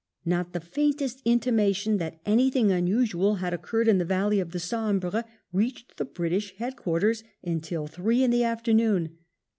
Not the faintest intimation that anything unusual had occurred in the valley of the Sambre reached the British head quarters imtil three in the afternoon.